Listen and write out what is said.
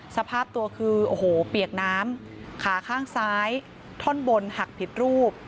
สภาพตัวคือโอ้โหเปียกน้ำขาข้างซ้ายท่อนบนหักผิดรูป